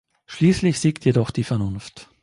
Schließlich siegt jedoch die Vernunft.